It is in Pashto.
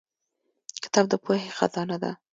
کتاب د پوهې خزانه ده